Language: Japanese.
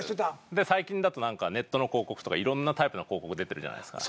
で最近だとネットの広告とかいろんなタイプの広告出てるじゃないですか。